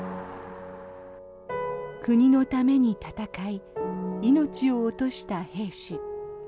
国のために戦い命を落とした兵士。